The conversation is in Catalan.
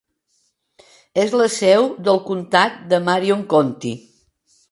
És la seu del comtat de Marion County.